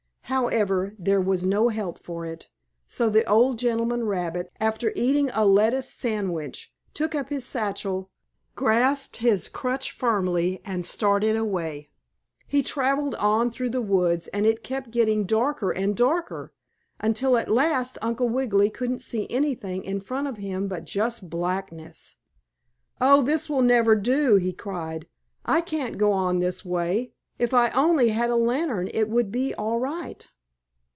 However, there was no help for it, so the old gentleman rabbit, after eating a lettuce sandwich, took up his satchel, grasped his crutch firmly, and started away. He traveled on through the woods, and it kept getting darker and darker, until at last Uncle Wiggily couldn't see anything in front of him but just blackness. "Oh, this will never do!" he cried. "I can't go on this way. If I only had a lantern it would be all right."